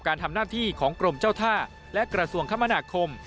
การทำหน้าที่ของกรมเจ้าท่าและกระทรวงคมนาคม